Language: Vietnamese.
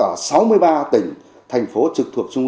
ở sáu mươi ba tỉnh thành phố trực thuộc trung